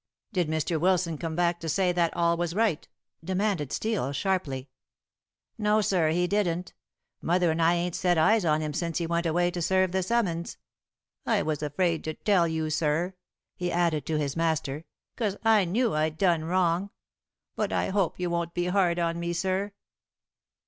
"Did Mr. Wilson come back to say that all was right?" demanded Steel sharply. "No, sir, he didn't. Mother and I ain't set eyes on him since he went away to serve the summons. I was afraid to tell you, sir," he added to his master, "'cause I knew I'd done wrong. But I hope you won't be hard on me, sir."